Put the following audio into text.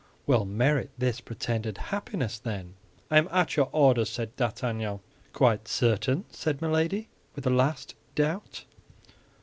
"Well, merit this pretended happiness, then!" "I am at your orders," said D'Artagnan. "Quite certain?" said Milady, with a last doubt.